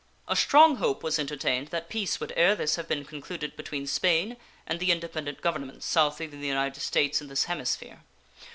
A strong hope was entertained that peace would ere this have been concluded between Spain and the independent governments south of the United States in this hemisphere.